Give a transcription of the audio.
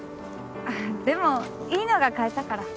あっでもいいのが買えたから。